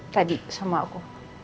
tadi sama aku